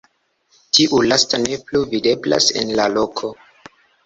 Tiu lasta ne plu videblas en la loko.